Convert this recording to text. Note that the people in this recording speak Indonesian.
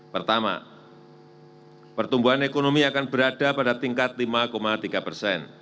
pertama pertumbuhan ekonomi akan berada pada tingkat lima tiga persen